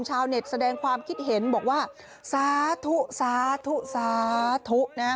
ชาวเน็ตแสดงความคิดเห็นบอกว่าสาธุสาธุสาธุนะฮะ